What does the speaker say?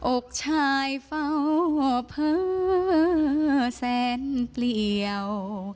อกชายเฝ้าเผลอแสนเปลี่ยว